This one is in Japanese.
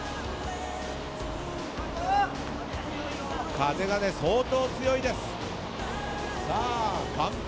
風が相当強いです。